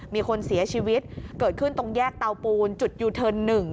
มีคนเสียชีวิตเกิดขึ้นตรงแยกเตาปูนจุดยูเทิร์น๑